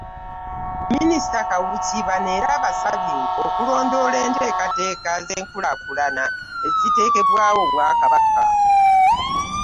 Minisita Kawuki bano era abasabye okulondoola enteekateeka z'enkulaakulana eziteekebwawo Obwakabaka